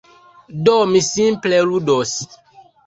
Do, mi simple ludos.